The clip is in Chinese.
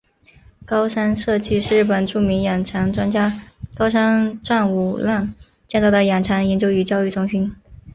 高山社迹是日本著名养蚕专家高山长五郎建造的养蚕研究与教育中心。